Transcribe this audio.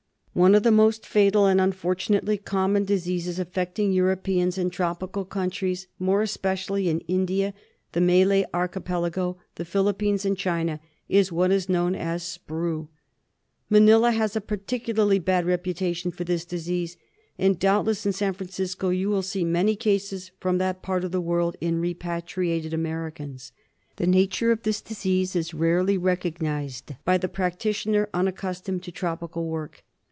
One of the most fatal and, unfortunately, common diseases affecting Europeans in tropical countries, more especially in India, the Malay Archipelago, the Philip pines and China, is what is known as Sprue. Manila has a particularly bad reputation for this disease ; and doubt less in San Francisco you will see many cases from that part of the world in repatriated Americans. The nature of this disease is rarely recognised by the practitioner unaccustomed to tropical work.